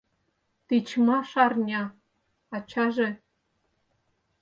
Тичмаш арня, ачаже!